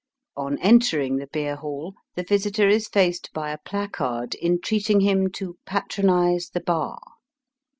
On entering the beer hall the visitor is faced by a placard entreating him to patronize the bar."